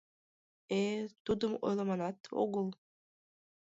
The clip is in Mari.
— Э-э, тудым ойлыманат огыл.